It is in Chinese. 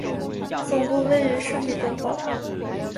总部位于圣彼得堡。